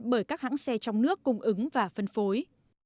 bởi các hãng xe trong nước cung ứng và phân phối